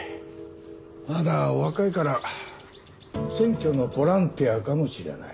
まだお若いから選挙のボランティアかもしれない。